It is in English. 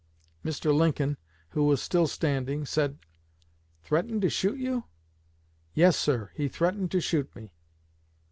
Mr. Lincoln, who was still standing, said, 'Threatened to shoot you?' 'Yes, sir, he threatened to shoot me.'